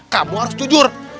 kamu harus jujur